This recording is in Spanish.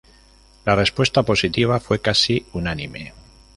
La respuesta positiva fue casi unánime.